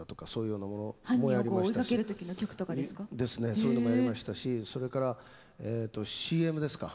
そういうのもやりましたしそれからＣＭですか。